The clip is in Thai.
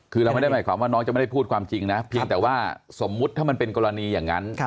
คือเราไม่ได้หมายความว่าน้องจะไม่ได้พูดความจริงนะเพียงแต่ว่าสมมุติถ้ามันเป็นกรณีอย่างนั้น